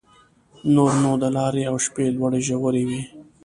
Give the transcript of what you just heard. نور نو د لارې او شپې لوړې ژورې وې.